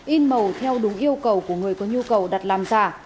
in màu theo đúng yêu cầu của người có nhu cầu đặt làm giả